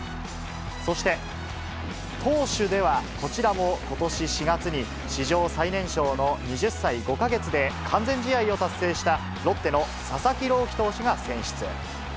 そして、投手ではこちらもことし４月に、史上最年少の２０歳５か月で完全試合を達成したロッテの佐々木朗希投手が選出。